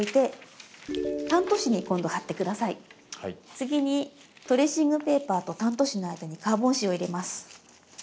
次にトレーシングペーパーとタント紙の間にカーボン紙を入れます。